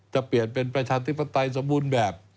จะเปลี่ยนเป็นประชาธิปไตยสมบูรณ์แบบ